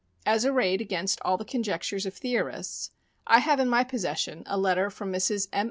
As arrayed against all the conjectures of theorists, I have in my possession a letter from Mrs. M.